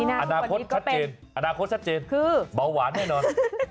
อนาคตชัดเจนอนาคตชัดเจนคือเบาหวานแน่นอน